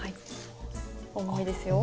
重いですよ。